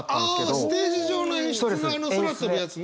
ああステージ上の演出のあの空飛ぶやつね。